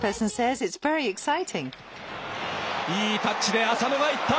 いいタッチで浅野が行った。